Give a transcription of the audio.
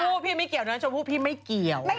ชมพูพี่ไม่เกี่ยวน้องชมพูพี่ไม่เกี่ยว